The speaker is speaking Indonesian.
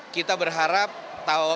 kita berharap tahun